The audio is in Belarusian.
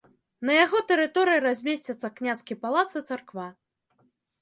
На яго тэрыторыі размесцяцца княскі палац і царква.